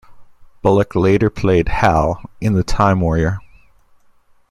Bulloch later played Hal in "The Time Warrior".